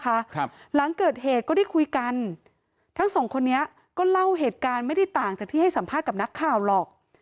ครับหลังเกิดเหตุก็ได้คุยกันทั้งสองคนนี้ก็เล่าเหตุการณ์ไม่ได้ต่างจากที่ให้สัมภาษณ์กับนักข่าวหรอก